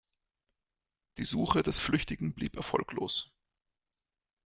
Die Suche des Flüchtigen blieb erfolglos.